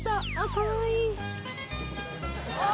かわいい！